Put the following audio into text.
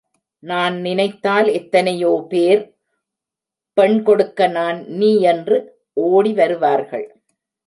நான் நினைத்தால் எத்தனையோ பேர் பெண் கொடுக்க நான் நீ யென்று ஓடி வருவார்கள்.